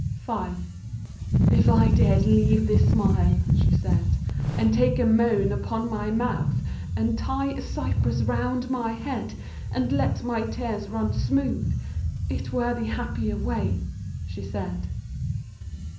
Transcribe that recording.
If I dared leave this smile, she said, And take a moan upon my mouth, And tie a cypress round my head, And let my tears run smooth, —■ It were the happier way, she said.